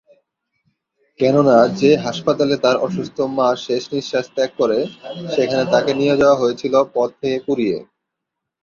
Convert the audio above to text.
কেননা, যে হাসপাতালে তার অসুস্থ মা শেষ নিঃশ্বাস ত্যাগ করে, সেখানে তাকে নিয়ে যাওয়া হয়েছিল পথ থেকে কুড়িয়ে।